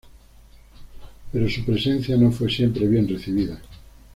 Pero su presencia no fue siempre bien recibida.